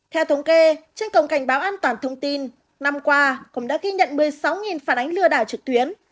theo thống kê trên cổng cảnh báo an toàn thông tin năm qua cũng đã ghi nhận một mươi sáu phản ánh lừa đảo trực tuyến